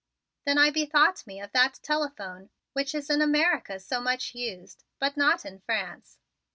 Then I bethought me of that telephone, which in America is so much used, but not in France.